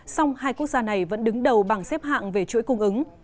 song hai quốc gia này vẫn đứng đầu bảng xếp hạng về chuỗi cung ứng